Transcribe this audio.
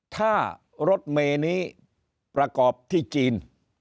ถ้ารถเมนี้ประกอบที่จีน